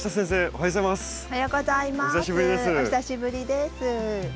お久しぶりです。